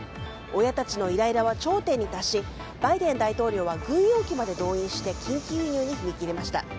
親たちのイライラは頂点に達しバイデン大統領は軍用機まで動員して緊急輸入に踏み切りました。